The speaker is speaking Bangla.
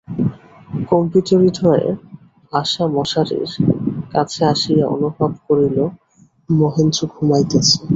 কম্পিতহৃদয়ে আশা মশারির কাছে আসিয়া অনুভব করিল, মহেন্দ্র ঘুমাইতেছে।